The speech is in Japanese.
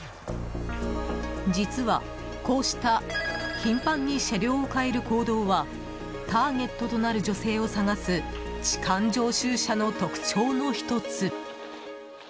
実は、こうした頻繁に車両を変える行動はターゲットとなる女性を探す痴漢常習者の特徴の１つ。